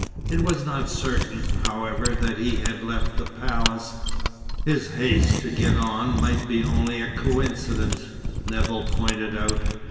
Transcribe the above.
It was not certain, however, that he had left the palace. His haste to get on might be only a coincidence, Nevill pointed out.